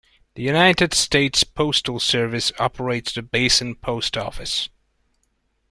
The United States Postal Service operates the Basin Post Office.